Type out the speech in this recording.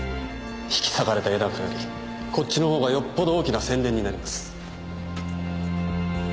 引き裂かれた絵なんかよりこっちの方がよっぽど大きな宣伝になります。